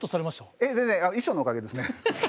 いえ全然衣装のおかげですね。